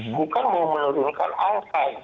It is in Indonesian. bukan menurunkan angka